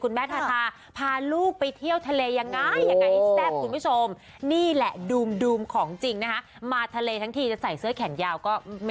คุณแม่ทาทาพาลูกไปที่เที่ยวทะเลยังไง